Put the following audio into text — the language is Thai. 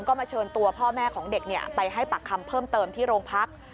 ก็มาเชิญตัวพ่อแม่ของเด็กไปให้ปากคำเพิ่มเติมที่โรงพัก